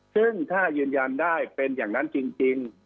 ซึ่งถ้ายืนยันได้เป็นอย่างนั้นจริง